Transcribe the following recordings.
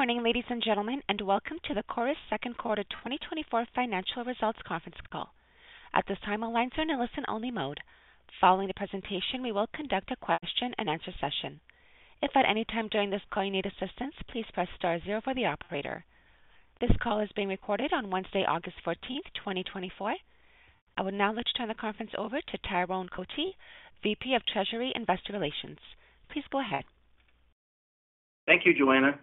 Good morning, ladies and gentlemen, and welcome to the Chorus second quarter 2024 financial results conference call. At this time, all lines are in a listen-only mode. Following the presentation, we will conduct a question-and-answer session. If at any time during this call you need assistance, please press star zero for the operator. This call is being recorded on Wednesday, August 14th, 2024. I would now like to turn the conference over to Tyrone Cotie, VP of Treasury and Investor Relations. Please go ahead. Thank you, Joanna.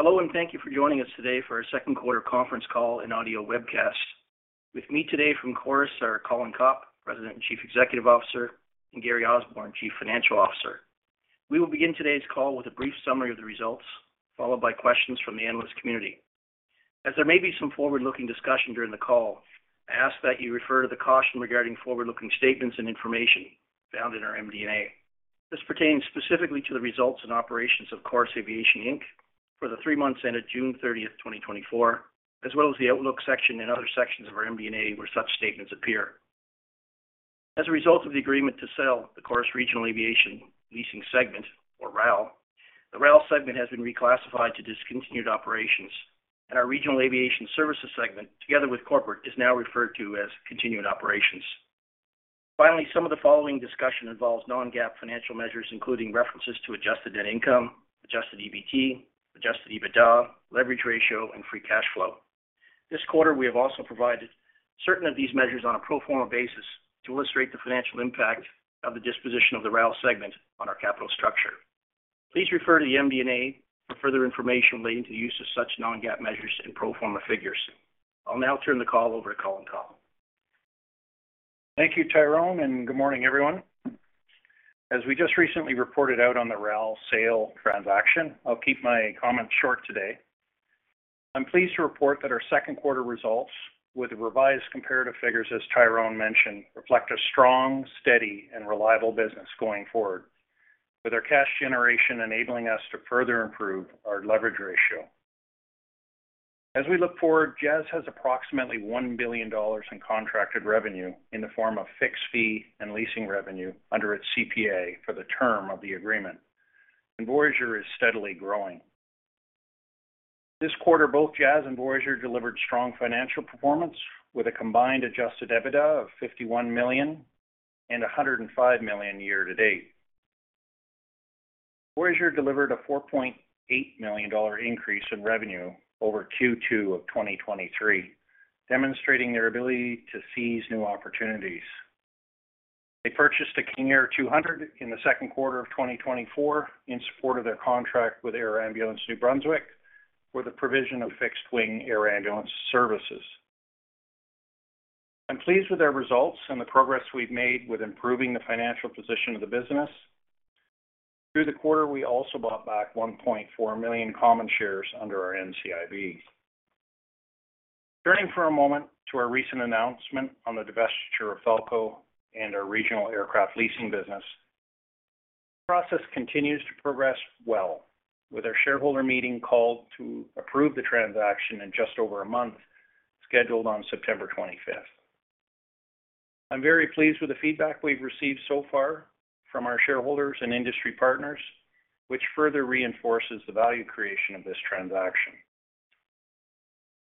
Hello, and thank you for joining us today for our second quarter conference call and audio webcast. With me today from Chorus are Colin Copp, President and Chief Executive Officer, and Gary Osborne, Chief Financial Officer. We will begin today's call with a brief summary of the results, followed by questions from the analyst community. As there may be some forward-looking discussion during the call, I ask that you refer to the caution regarding forward-looking statements and information found in our MD&A. This pertains specifically to the results and operations of Chorus Aviation Inc. for the three months ended June 30th, 2024, as well as the Outlook section and other sections of our MD&A, where such statements appear. As a result of the agreement to sell the Chorus Regional Aviation Leasing segment, or RAL, the RAL segment has been reclassified to discontinued operations, and our Regional Aviation Services segment, together with corporate, is now referred to as Continued Operations. Finally, some of the following discussion involves non-GAAP financial measures, including references to adjusted net income, Adjusted EBT, Adjusted EBITDA, leverage ratio, and free cash flow. This quarter, we have also provided certain of these measures on a pro forma basis to illustrate the financial impact of the disposition of the RAL segment on our capital structure. Please refer to the MD&A for further information relating to the use of such non-GAAP measures and pro forma figures. I'll now turn the call over to Colin Copp. Thank you, Tyrone, and good morning, everyone. As we just recently reported out on the RAL sale transaction, I'll keep my comments short today. I'm pleased to report that our second quarter results, with the revised comparative figures, as Tyrone mentioned, reflect a strong, steady and reliable business going forward, with our cash generation enabling us to further improve our leverage ratio. As we look forward, Jazz has approximately 1 billion dollars in contracted revenue in the form of fixed fee and leasing revenue under its CPA for the term of the agreement, and Voyageur is steadily growing. This quarter, both Jazz and Voyageur delivered strong financial performance, with a combined Adjusted EBITDA of 51 million and 105 million year to date. Voyageur delivered a 4.8 million dollar increase in revenue over Q2 of 2023, demonstrating their ability to seize new opportunities. They purchased a King Air 200 in the second quarter of 2024 in support of their contract with Air Ambulance New Brunswick for the provision of fixed-wing air ambulance services. I'm pleased with their results and the progress we've made with improving the financial position of the business. Through the quarter, we also bought back 1.4 million common shares under our NCIB. Turning for a moment to our recent announcement on the divestiture of Falko and our regional aircraft leasing business, the process continues to progress well, with our shareholder meeting called to approve the transaction in just over a month, scheduled on September 25th. I'm very pleased with the feedback we've received so far from our shareholders and industry partners, which further reinforces the value creation of this transaction.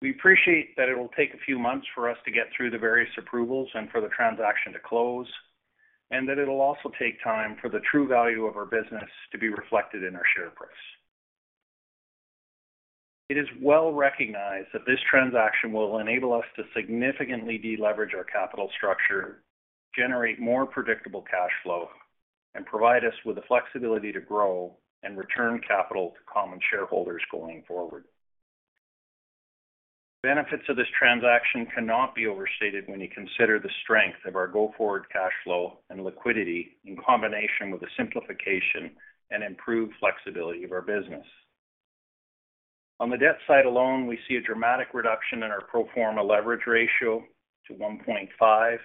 We appreciate that it will take a few months for us to get through the various approvals and for the transaction to close, and that it'll also take time for the true value of our business to be reflected in our share price. It is well recognized that this transaction will enable us to significantly deleverage our capital structure, generate more predictable cash flow, and provide us with the flexibility to grow and return capital to common shareholders going forward. Benefits of this transaction cannot be overstated when you consider the strength of our go-forward cash flow and liquidity in combination with the simplification and improved flexibility of our business. On the debt side alone, we see a dramatic reduction in our pro forma leverage ratio to 1.5,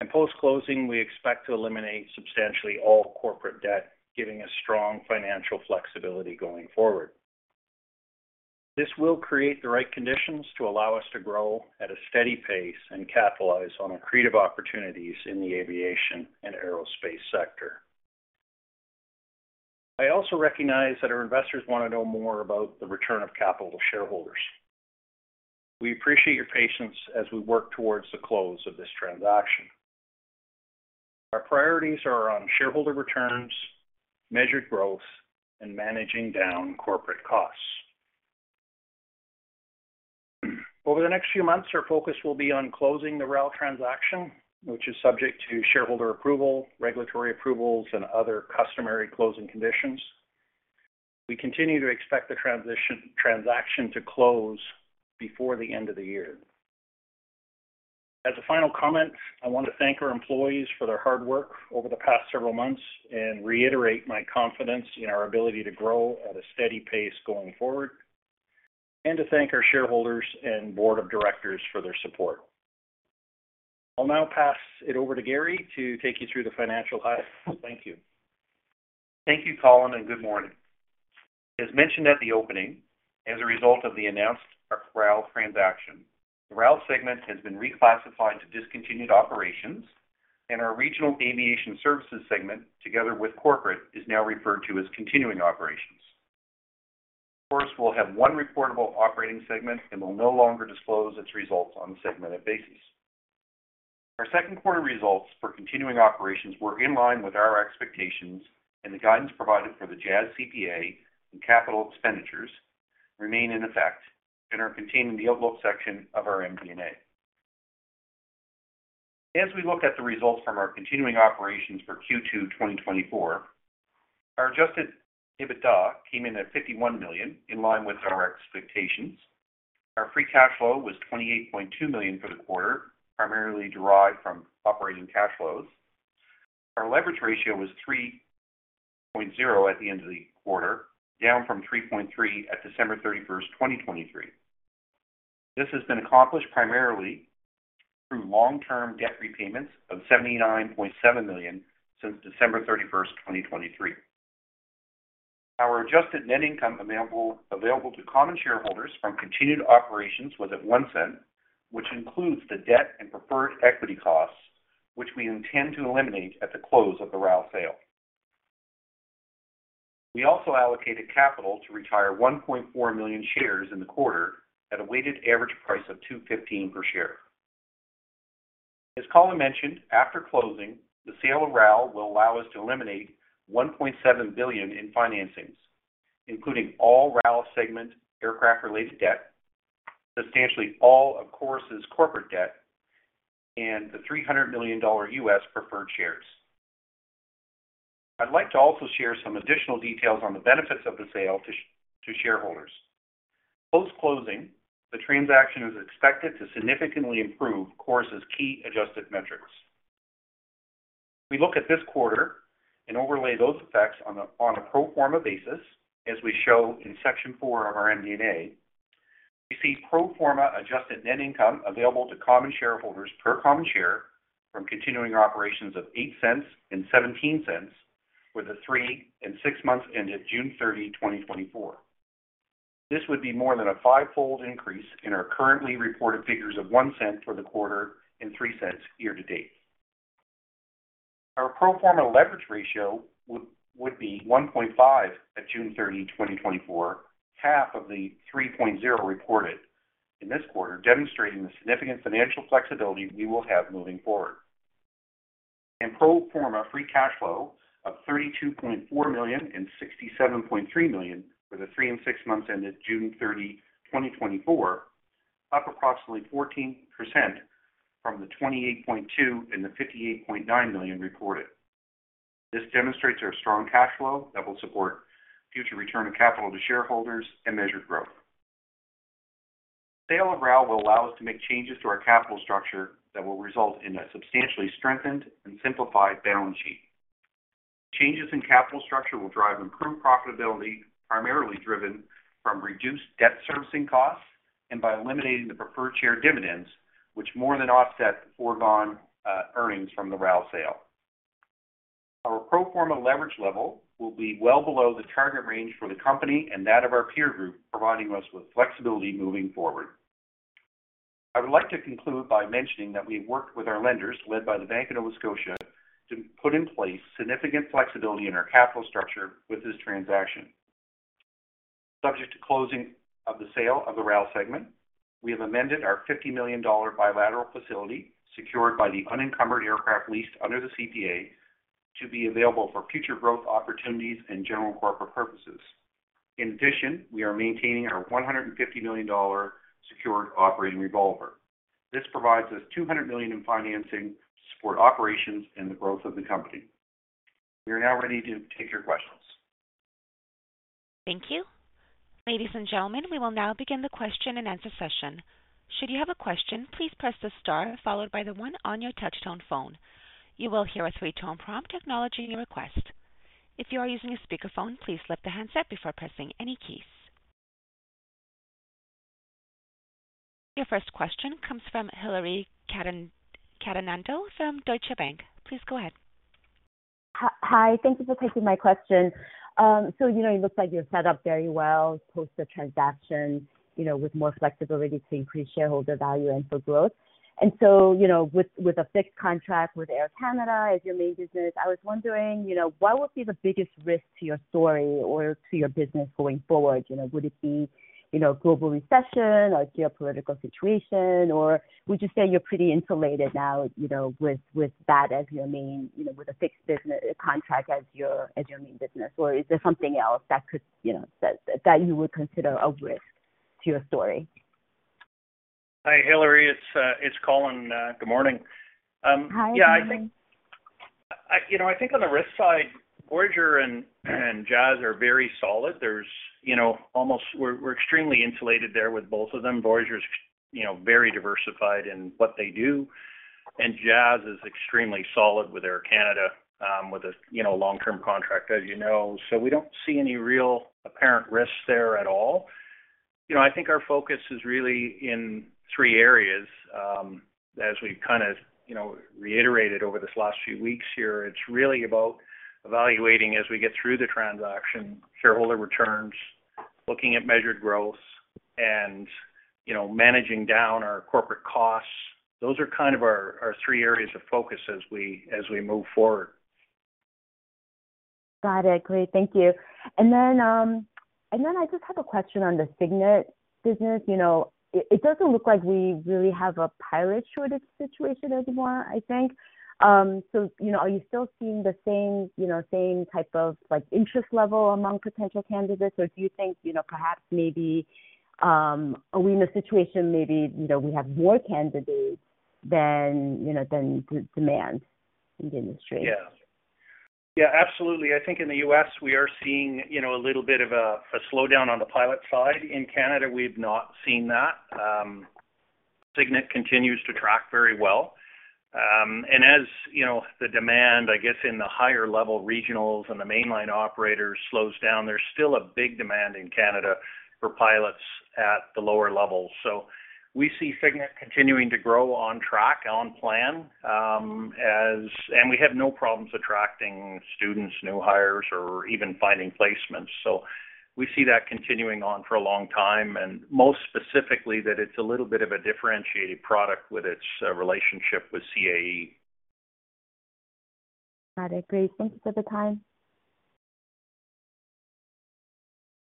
and post-closing, we expect to eliminate substantially all corporate debt, giving us strong financial flexibility going forward. This will create the right conditions to allow us to grow at a steady pace and capitalize on accretive opportunities in the aviation and aerospace sector. I also recognize that our investors want to know more about the return of capital to shareholders. We appreciate your patience as we work towards the close of this transaction. Our priorities are on shareholder returns, measured growth, and managing down corporate costs. Over the next few months, our focus will be on closing the RAL transaction, which is subject to shareholder approval, regulatory approvals, and other customary closing conditions. We continue to expect the transaction to close before the end of the year. As a final comment, I want to thank our employees for their hard work over the past several months and reiterate my confidence in our ability to grow at a steady pace going forward, and to thank our shareholders and board of directors for their support. I'll now pass it over to Gary to take you through the financial highlights. Thank you. Thank you, Colin, and good morning. As mentioned at the opening, as a result of the announced RAL transaction. The RAL segment has been reclassified to discontinued operations, and our Regional Aviation Services segment, together with corporate, is now referred to as continuing operations. Of course, we'll have one reportable operating segment and will no longer disclose its results on a segmented basis. Our second quarter results for continuing operations were in line with our expectations, and the guidance provided for the Jazz CPA and capital expenditures remain in effect and are contained in the outlook section of our MD&A. As we look at the results from our continuing operations for Q2 2024, our Adjusted EBITDA came in at 51 million, in line with our expectations. Our Free Cash Flow was 28.2 million for the quarter, primarily derived from operating cash flows. Our leverage ratio was 3.0 at the end of the quarter, down from 3.3 at December 31st, 2023. This has been accomplished primarily through long-term debt repayments of CAD 79.7 million since December 31st, 2023. Our adjusted net income available to common shareholders from continued operations was at 0.01, which includes the debt and preferred equity costs, which we intend to eliminate at the close of the RAL sale. We also allocated capital to retire 1.4 million shares in the quarter at a weighted average price of 2.15 per share. As Colin mentioned, after closing, the sale of RAL will allow us to eliminate 1.7 billion in financings, including all RAL segment aircraft-related debt, substantially all of Chorus's corporate debt, and the $300 million U.S. preferred shares. I'd like to also share some additional details on the benefits of the sale to shareholders. Post-closing, the transaction is expected to significantly improve Chorus's key adjusted metrics. We look at this quarter and overlay those effects on a pro forma basis, as we show in section 4 of our MD&A. We see pro forma adjusted net income available to common shareholders per common share from continuing operations of 0.08 and 0.17 for the 3 and 6 months ended June 30th, 2024. This would be more than a fivefold increase in our currently reported figures of 0.01 for the quarter and 0.03 year to date. Our pro forma leverage ratio would be 1.5 at June 30th, 2024, 1/2 of the 3.0 reported in this quarter, demonstrating the significant financial flexibility we will have moving forward. Pro forma free cash flow of 32.4 million and 67.3 million for the three and six months ended June 30th, 2024, up approximately 14% from the 28.2 and the 58.9 million reported. This demonstrates our strong cash flow that will support future return of capital to shareholders and measured growth. Sale of RAL will allow us to make changes to our capital structure that will result in a substantially strengthened and simplified balance sheet. Changes in capital structure will drive improved profitability, primarily driven from reduced debt servicing costs and by eliminating the preferred share dividends, which more than offset the foregone earnings from the RAL sale. Our pro forma leverage level will be well below the target range for the company and that of our peer group, providing us with flexibility moving forward. I would like to conclude by mentioning that we've worked with our lenders, led by the Bank of Nova Scotia, to put in place significant flexibility in our capital structure with this transaction. Subject to closing of the sale of the RAL segment, we have amended our 50 million dollar bilateral facility, secured by the unencumbered aircraft leased under the CPA, to be available for future growth opportunities and general corporate purposes. In addition, we are maintaining our 150 million dollar secured operating revolver. This provides us CAD 200 million in financing for operations and the growth of the company. We are now ready to take your questions. Thank you. Ladies and gentlemen, we will now begin the question-and-answer session. Should you have a question, please press the star followed by the one on your touchtone phone. You will hear a three-tone prompt acknowledging your request. If you are using a speakerphone, please lift the handset before pressing any keys. Your first question comes from Hillary Cacanando from Deutsche Bank. Please go ahead. Hi, hi. Thank you for taking my question. So, you know, it looks like you're set up very well post the transaction, you know, with more flexibility to increase shareholder value and for growth. And so, you know, with a fixed contract with Air Canada as your main business, I was wondering, you know, what would be the biggest risk to your story or to your business going forward? You know, would it be, you know, a global recession or geopolitical situation, or would you say you're pretty insulated now, you know, with that as your main business, you know, with a fixed contract as your main business? Or is there something else that could, you know, that you would consider a risk to your story? Hi, Hillary. It's, it's Colin, good morning. Hi, good morning. Yeah, I think, you know, I think on the risk side, Voyageur and Jazz are very solid. There's, you know, we're extremely insulated there with both of them. Voyageur's, you know, very diversified in what they do, and Jazz is extremely solid with Air Canada, with a, you know, long-term contract, as you know. So we don't see any real apparent risks there at all. You know, I think our focus is really in three areas. As we've kind of, you know, reiterated over this last few weeks here, it's really about evaluating as we get through the transaction, shareholder returns looking at measured growth and, you know, managing down our corporate costs. Those are kind of our three areas of focus as we move forward. Got it. Great, thank you. And then I just have a question on the Cygnet business. You know, it doesn't look like we really have a pilot shortage situation anymore, I think. So, you know, are you still seeing the same, you know, same type of, like, interest level among potential candidates? Or do you think, you know, perhaps maybe, are we in a situation maybe, you know, we have more candidates than, you know, than the demand in the industry? Yeah. Yeah, absolutely. I think in the U.S., we are seeing, you know, a little bit of a, a slowdown on the pilot side. In Canada, we've not seen that. Cygnet continues to track very well. And as you know, the demand, I guess, in the higher level regionals and the mainline operators slows down, there's still a big demand in Canada for pilots at the lower levels. So we see Cygnet continuing to grow on track, on plan, as and we have no problems attracting students, new hires, or even finding placements. So we see that continuing on for a long time, and most specifically, that it's a little bit of a differentiated product with its relationship with CAE. Got it. Great. Thank you for the time.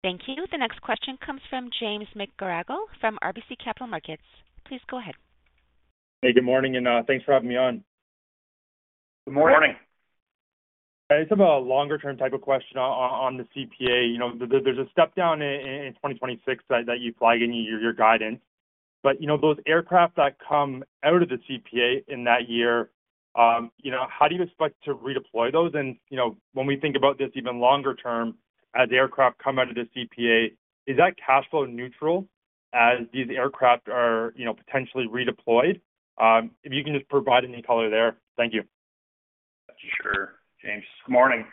Thank you. The next question comes from James McGarragle from RBC Capital Markets. Please go ahead. Hey, good morning, and, thanks for having me on. Good morning. I just have a longer term type of question on the CPA. You know, there's a step down in 2026 that you flagged in your guidance. But, you know, those aircraft that come out of the CPA in that year, you know, how do you expect to redeploy those? And, you know, when we think about this even longer term, as aircraft come out of the CPA, is that cash flow neutral as these aircraft are, you know, potentially redeployed? If you can just provide any color there. Thank you. Sure, James. Good morning.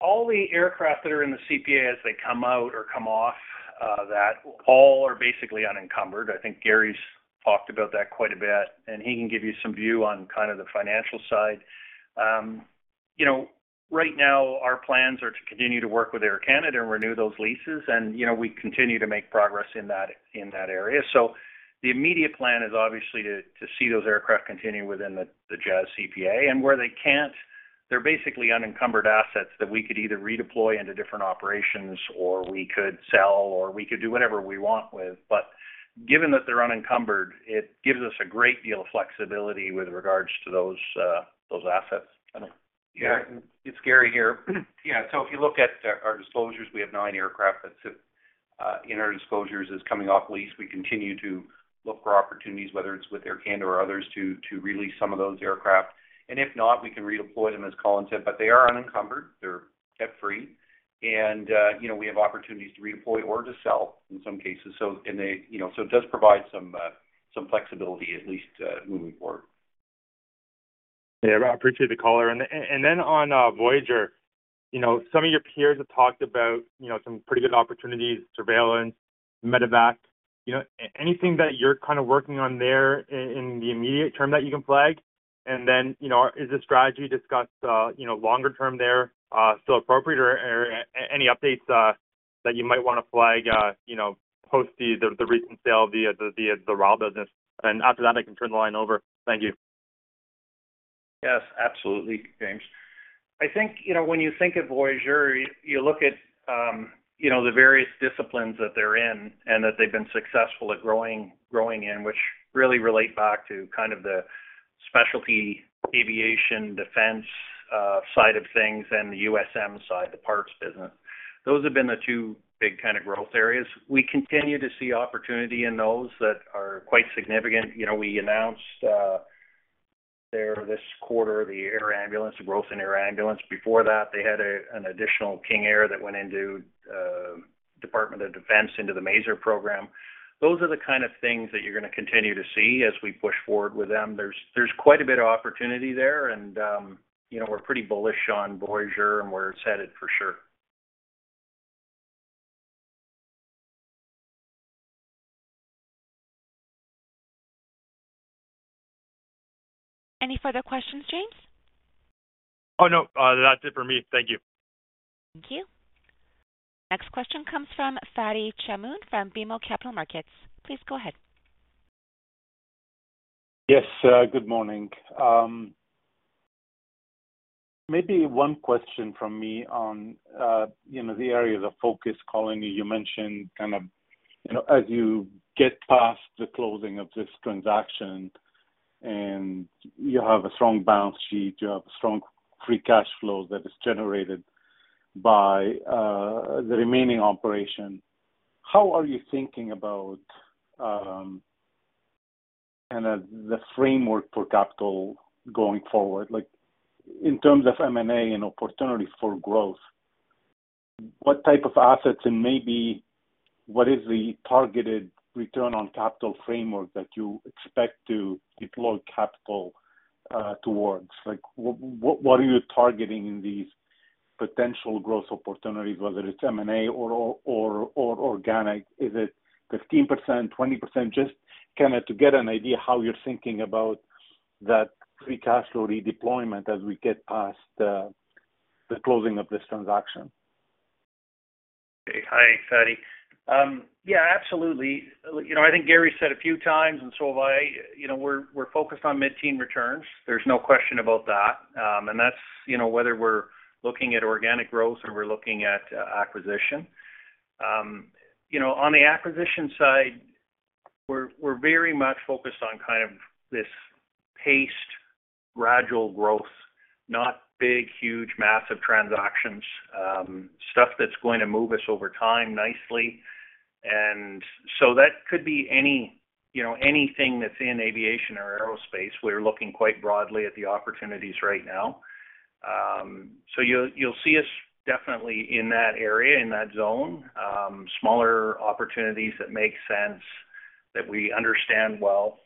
All the aircraft that are in the CPA, as they come out or come off, that all are basically unencumbered. I think Gary's talked about that quite a bit, and he can give you some view on kind of the financial side. You know, right now, our plans are to continue to work with Air Canada and renew those leases, and, you know, we continue to make progress in that, in that area. So the immediate plan is obviously to, to see those aircraft continue within the, the Jazz CPA, and where they can't, they're basically unencumbered assets that we could either redeploy into different operations or we could sell, or we could do whatever we want with. But given that they're unencumbered, it gives us a great deal of flexibility with regards to those, those assets. Yeah, it's Gary here. Yeah, so if you look at our disclosures, we have nine aircraft that sit in our disclosures as coming off lease. We continue to look for opportunities, whether it's with Air Canada or others, to, to release some of those aircraft, and if not, we can redeploy them, as Colin said. But they are unencumbered, they're debt-free, and you know, we have opportunities to redeploy or to sell in some cases. So, and they, you know, so it does provide some some flexibility at least, moving forward. Yeah, I appreciate the color. And then on Voyageur, you know, some of your peers have talked about, you know, some pretty good opportunities, surveillance, medevac. You know, anything that you're kind of working on there in the immediate term that you can flag? And then, you know, is the strategy discussed, you know, longer term there, still appropriate or any updates that you might want to flag, you know, post the recent sale via the RAL business? And after that, I can turn the line over. Thank you. Yes, absolutely, James. I think, you know, when you think of Voyageur, you look at, you know, the various disciplines that they're in and that they've been successful at growing in, which really relate back to kind of the specialty aviation, defense, side of things and the USM side, the parts business. Those have been the two big kind of growth areas. We continue to see opportunity in those that are quite significant. You know, we announced there this quarter, the air ambulance growth in air ambulance. Before that, they had an additional King Air that went into the Department of Defense, into the MAISR program. Those are the kind of things that you're going to continue to see as we push forward with them. There's quite a bit of opportunity there, and, you know, we're pretty bullish on Voyageur and where it's headed for sure. Any further questions, James? Oh, no, that's it for me. Thank you. Thank you. Next question comes from Fadi Chamoun, from BMO Capital Markets. Please go ahead. Yes, good morning. Maybe one question from me on, you know, the areas of focus, Colin. You mentioned kind of, you know, as you get past the closing of this transaction and you have a strong balance sheet, you have a strong free cash flow that is generated by, the remaining operation, how are you thinking about, kind of the framework for capital going forward? Like, in terms of M&A and opportunity for growth, what type of assets and maybe what is the targeted return on capital framework that you expect to deploy capital, towards? Like, what are you targeting in these potential growth opportunities, whether it's M&A or organic? Is it 15%, 20%? Just kind of to get an idea how you're thinking about-that free cash flow redeployment as we get past the closing of this transaction? Hi, Fadi. Yeah, absolutely. You know, I think Gary said a few times, and so have I, you know, we're, we're focused on mid-teen returns. There's no question about that. And that's, you know, whether we're looking at organic growth or we're looking at acquisition. You know, on the acquisition side, we're, we're very much focused on kind of this paced, gradual growth, not big, huge, massive transactions. Stuff that's going to move us over time nicely. And so that could be any, you know, anything that's in aviation or aerospace. We're looking quite broadly at the opportunities right now. So you'll, you'll see us definitely in that area, in that zone. Smaller opportunities that make sense, that we understand well,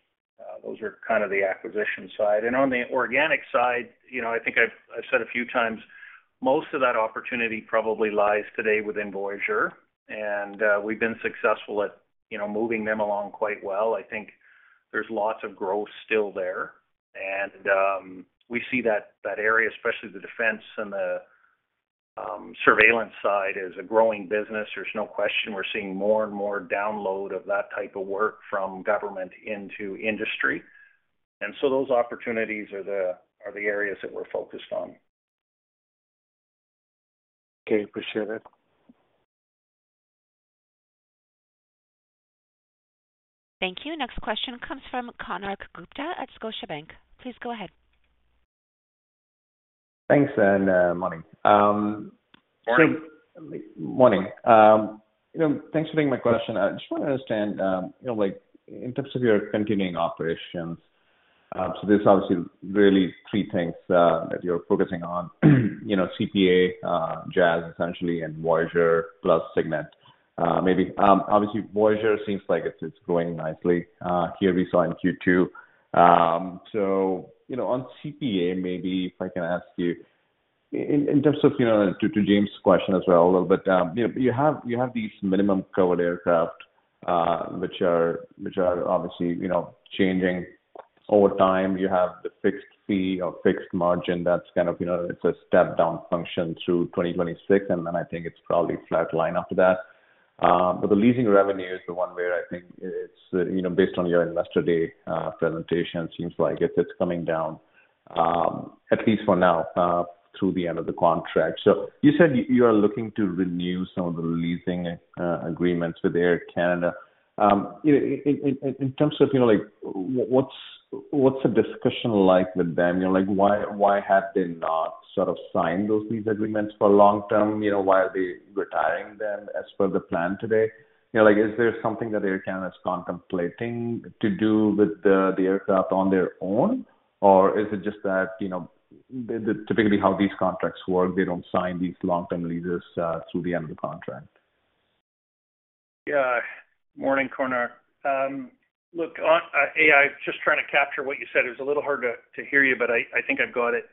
those are kind of the acquisition side. And on the organic side, you know, I think I've said a few times, most of that opportunity probably lies today within Voyageur, and we've been successful at, you know, moving them along quite well. I think there's lots of growth still there, and we see that area, especially the defense and the surveillance side, as a growing business. There's no question, we're seeing more and more download of that type of work from government into industry. And so those opportunities are the areas that we're focused on. Okay, appreciate it. Thank you. Next question comes from Konark Gupta at Scotiabank. Please go ahead. Thanks, and, morning. Morning. Morning. You know, thanks for taking my question. I just want to understand, you know, like, in terms of your continuing operations, so there's obviously really three things that you're focusing on. You know, CPA, Jazz, essentially, and Voyageur plus Cygnet. Maybe, obviously, Voyageur seems like it's growing nicely here we saw in Q2. So, you know, on CPA, maybe if I can ask you, in terms of, you know, to James' question as well, a little bit, you know, you have these minimum COVID aircraft, which are obviously changing over time. You have the fixed fee or fixed margin that's kind of, you know, it's a step down function through 2026, and then I think it's probably flatline after that. But the leasing revenue is the one where I think it's, you know, based on your Investor Day presentation, seems like it's coming down, at least for now, through the end of the contract. So you said you are looking to renew some of the leasing agreements with Air Canada. In terms of, you know, like, what's the discussion like with them? You know, like, why have they not sort of signed those lease agreements for long-term? You know, why are they retiring them as per the plan today? You know, like, is there something that Air Canada is contemplating to do with the aircraft on their own? Or is it just that, you know, the typically how these contracts work, they don't sign these long-term leases through the end of the contract? Yeah. Morning, Konark. Look, on AC, just trying to capture what you said. It was a little hard to hear you, but I think I've got it.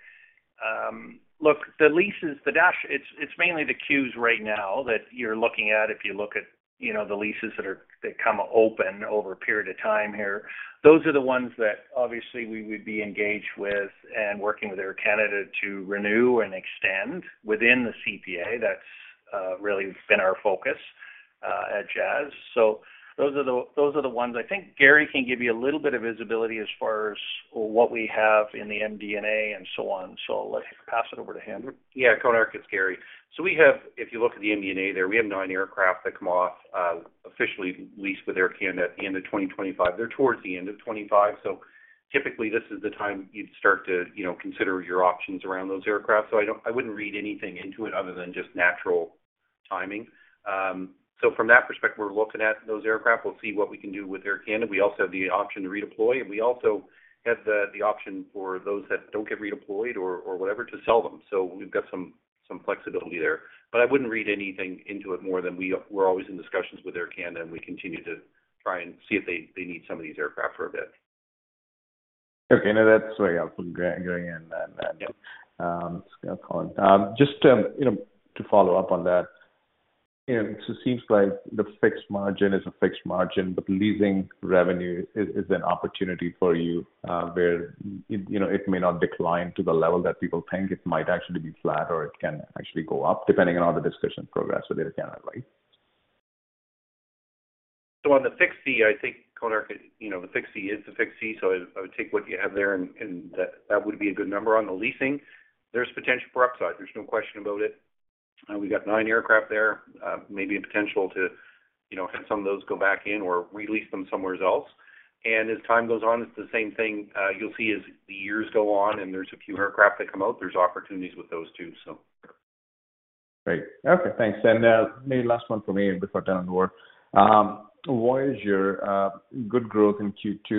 Look, the leases, the Dash, it's mainly the Q's right now that you're looking at. If you look at, you know, the leases that that come open over a period of time here, those are the ones that obviously we would be engaged with and working with Air Canada to renew and extend within the CPA. That's really been our focus at Jazz. So those are the ones I think Gary can give you a little bit of visibility as far as what we have in the MD&A and so on. So I'll pass it over to him. Yeah, Konark, it's Gary. So we have, if you look at the MD&A there, we have nine aircraft that come off officially leased with Air Canada at the end of 2025. They're towards the end of 2025, so typically this is the time you'd start to, you know, consider your options around those aircraft. So I don't-I wouldn't read anything into it other than just natural timing. So from that perspective, we're looking at those aircraft. We'll see what we can do with Air Canada. We also have the option to redeploy, and we also have the option for those that don't get redeployed or whatever, to sell them. So we've got some flexibility there. But I wouldn't read anything into it more than we're always in discussions with Air Canada, and we continue to try and see if they, they need some of these aircraft for a bit. Okay, now that's sorry, I'll put Gary in then. Yep. Just, you know, to follow up on that, you know, so it seems like the fixed margin is a fixed margin, but the leasing revenue is an opportunity for you, where, you know, it may not decline to the level that people think. It might actually be flat, or it can actually go up, depending on how the discussion progressed with Air Canada, right? So on the fixed fee, I think, Konark, you know, the fixed fee is the fixed fee, so I, I would take what you have there and, and that, that would be a good number. On the leasing, there's potential for upside. There's no question about it. We've got nine aircraft there, maybe a potential to, you know, have some of those go back in or re-lease them somewhere else. And as time goes on, it's the same thing, you'll see as the years go on and there's a few aircraft that come out, there's opportunities with those, too, so. Great. Okay, thanks. And, maybe last one for me before turning over. Voyageur, good growth in Q2.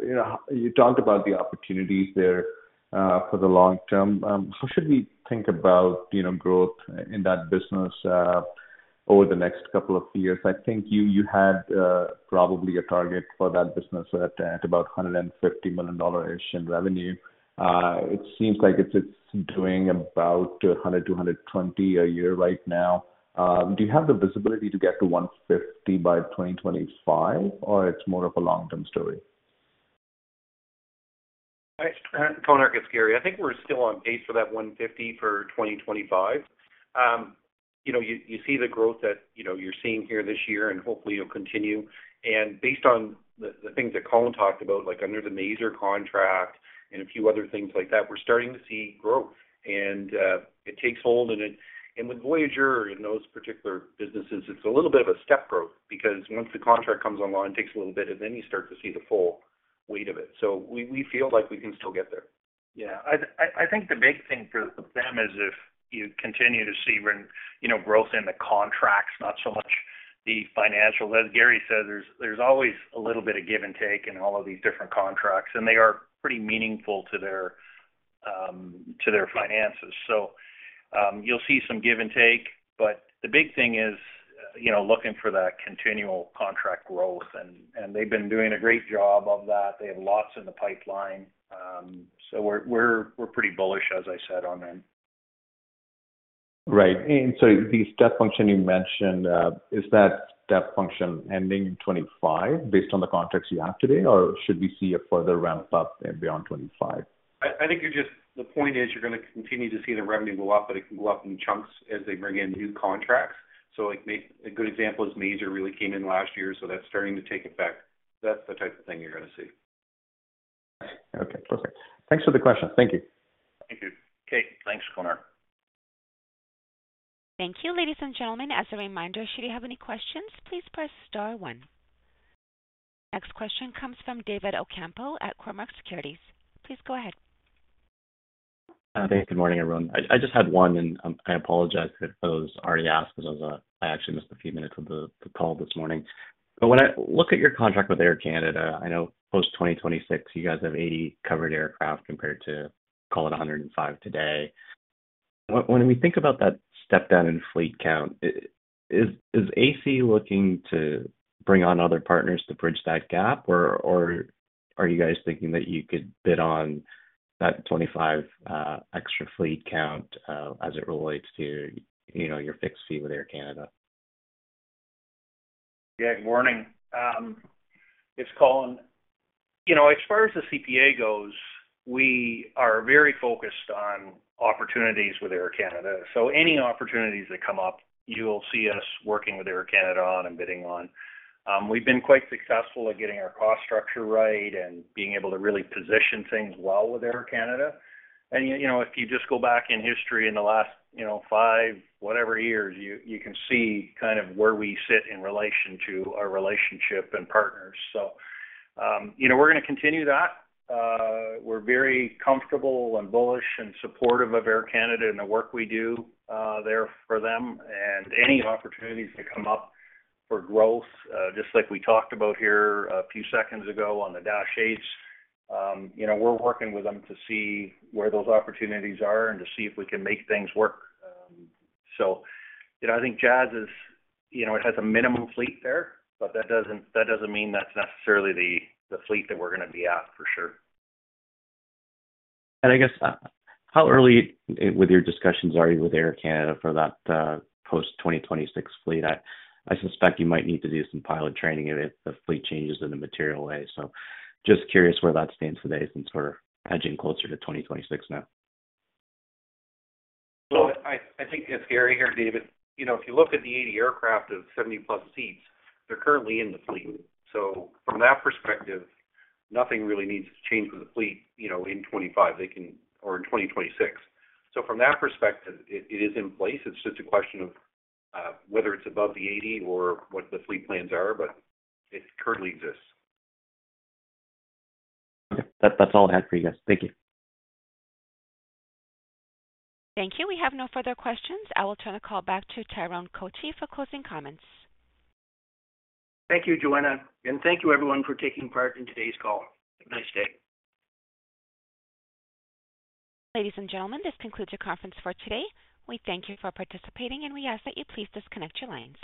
You know, you talked about the opportunities there, for the long term. How should we think about, you know, growth in that business, over the next couple of years? I think you, you had, probably a target for that business at, at about 150 million dollars-ish in revenue. It seems like it's, it's doing about 100 million-120 million a year right now. Do you have the visibility to get to 150 by 2025, or it's more of a long-term story? Konark, it's Gary. I think we're still on pace for that 150 for 2025. You know, you see the growth that, you know, you're seeing here this year, and hopefully it'll continue. And based on the things that Colin talked about, like under the MAISR contract and a few other things like that, we're starting to see growth. And it takes hold, and it and with Voyageur, in those particular businesses, it's a little bit of a step growth, because once the contract comes online, it takes a little bit, and then you start to see the full weight of it. So we, we feel like we can still get there. Yeah. I think the big thing for them is if you continue to see, you know, growth in the contracts, not so much the financial. As Gary said, there's always a little bit of give and take in all of these different contracts, and they are pretty meaningful to their finances. So, you'll see some give and take, but the big thing is, you know, looking for that continual contract growth, and they've been doing a great job of that. They have lots in the pipeline. So we're pretty bullish, as I said, on them. Right. And so the step function you mentioned, is that step function ending in 2025 based on the contracts you have today, or should we see a further ramp up and beyond 2025? I think the point is, you're gonna continue to see the revenue go up, but it can go up in chunks as they bring in new contracts. So like a good example is MAISR really came in last year, so that's starting to take effect. That's the type of thing you're gonna see. Okay, perfect. Thanks for the question. Thank you. Thank you. Okay, thanks, Konark. Thank you, ladies and gentlemen. As a reminder, should you have any questions, please press star one. Next question comes from David Ocampo at Cormark Securities. Please go ahead. Thanks. Good morning, everyone. I just had one, and I apologize if it was already asked because I actually missed a few minutes of the call this morning. But when I look at your contract with Air Canada, I know post-2026, you guys have 80 covered aircraft compared to, call it, 105 today. When we think about that step down in fleet count, is AC looking to bring on other partners to bridge that gap, or are you guys thinking that you could bid on that 25 extra fleet count as it relates to, you know, your fixed fee with Air Canada? Yeah, good morning. It's Colin. You know, as far as the CPA goes, we are very focused on opportunities with Air Canada. So any opportunities that come up, you will see us working with Air Canada on and bidding on. We've been quite successful at getting our cost structure right and being able to really position things well with Air Canada. And, you, you know, if you just go back in history in the last, you know, five whatever years, you, you can see kind of where we sit in relation to our relationship and partners. So, you know, we're gonna continue that. We're very comfortable and bullish and supportive of Air Canada and the work we do there for them, and any opportunities that come up for growth, just like we talked about here a few seconds ago on the Dash 8s. You know, we're working with them to see where those opportunities are and to see if we can make things work. So, you know, I think Jazz is... You know, it has a minimum fleet there, but that doesn't, that doesn't mean that's necessarily the, the fleet that we're gonna be at for sure. I guess, how early were your discussions are you with Air Canada for that post-2026 fleet? I suspect you might need to do some pilot training if the fleet changes in a material way. So just curious where that stands today since we're edging closer to 2026 now. Well, I think it's Gary here, David. You know, if you look at the 80 aircraft of 70+ seats, they're currently in the fleet. So from that perspective, nothing really needs to change with the fleet, you know, in 2025, they can or in 2026. So from that perspective, it is in place. It's just a question of whether it's above the 80 or what the fleet plans are, but it currently exists. Okay. That's all I had for you guys. Thank you. Thank you. We have no further questions. I will turn the call back to Tyrone Cotie for closing comments. Thank you, Joanna, and thank you everyone for taking part in today's call. Have a nice day. Ladies and gentlemen, this concludes your conference for today. We thank you for participating, and we ask that you please disconnect your lines.